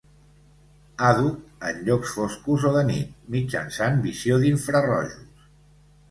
Àdhuc en llocs foscos o de nit, mitjançant visió d'infrarojos.